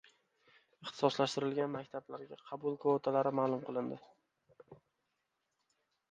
Ixtisoslashtirilgan maktablarga qabul kvotalari ma'lum qilindi